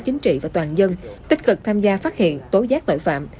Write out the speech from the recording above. chính trị và toàn dân tích cực tham gia phát hiện tố giác tội phạm